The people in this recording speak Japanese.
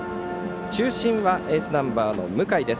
中心はエースナンバーの向井。